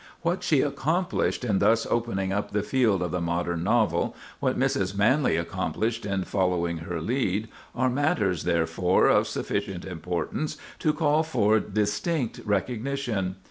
What she accomplished in thus opening up the field of the modern novel, what Mrs. Manley accomplished in following her lead, are matters, therefore, of sufficient importance to call for distinct recognition.